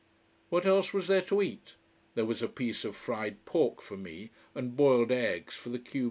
What else was there to eat? There was a piece of fried pork for me, and boiled eggs for the q b.